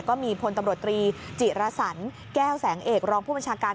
ก็มีพลตำรวจตรีจิรสันแก้วแสงเอกรองผู้บัญชาการ